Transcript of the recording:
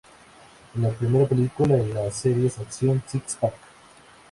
Es la primera película en las series "Action Six-Pack".